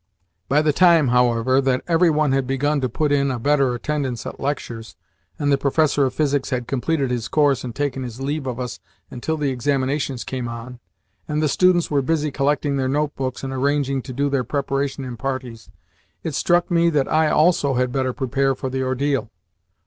By the time, however, that every one had begun to put in a better attendance at lectures, and the professor of physics had completed his course and taken his leave of us until the examinations came on, and the students were busy collecting their notebooks and arranging to do their preparation in parties, it struck me that I also had better prepare for the ordeal.